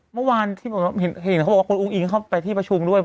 เมื่อวานที่เห็นเขาบอกว่าคุณอุ้งอิงเข้าไปที่ประชุมด้วย